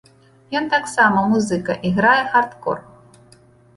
Ён таксама музыка і грае хардкор.